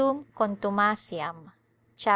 Contumaciam (Cap.